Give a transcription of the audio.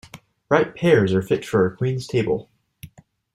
Ripe pears are fit for a queen's table.